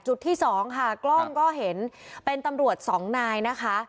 ที่สองค่ะกล้องก็เห็นเป็นตำรวจสองนายนะคะ